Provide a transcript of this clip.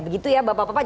begitu ya bapak bapak